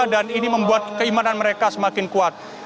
dan ini membuat keimanan mereka semakin kuat